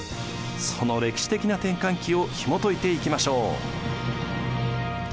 その歴史的な転換期をひもといていきましょう。